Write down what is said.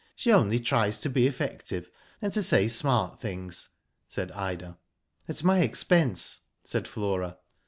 She only tries to be effective and to say smart things," said Ida. " At my expense," said Flora.